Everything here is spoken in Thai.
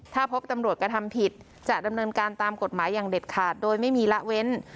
ถ้าพบตำรวจกระทำผิดจะดำเนินการตามกฎหมายอย่างเด็ดขาดโดยไม่มีละเว้น